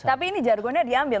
tapi ini jargonnya diambil